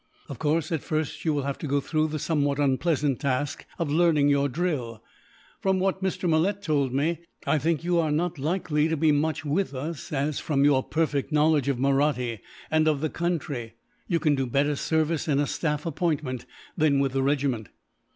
Of course, at first you will have to go through the somewhat unpleasant task of learning your drill. "From what Mr. Malet told me, I think you are not likely to be much with us as, from your perfect knowledge of Mahratti, and of the country, you can do better service in a staff appointment than with the regiment.